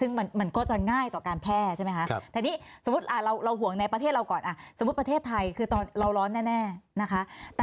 เราพึ่งพาตรงนี้ของเราดีกว่า